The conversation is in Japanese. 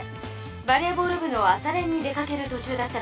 バレーボール部の朝練に出かけると中だったらしいわ。